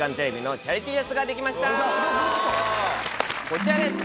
こちらです！